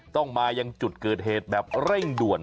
ต้องมายังจุดเกิดเหตุแบบเร่งด่วน